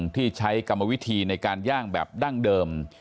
ที่ใช้กรรมวิธีในการย่างแบบดั้งเดิม